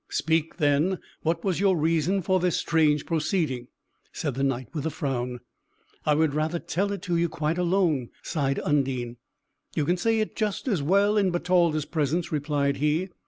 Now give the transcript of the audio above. "Speak, then; what was your reason for this strange proceeding?" said the Knight with a frown. "I would rather tell it you quite alone!" sighed Undine. "You can say it just as well in Bertalda's presence," replied he.